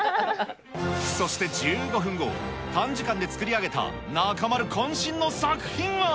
そして１５分後、短時間で作り上げた中丸こん身の作品は。